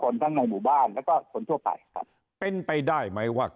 ยังแก้รับตราหน้าตรวจผู้ใหญ่อะไรต่าง